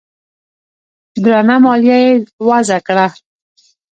درنه مالیه یې وضعه کړه